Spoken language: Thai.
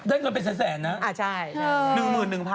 เงินเป็นแสนนะ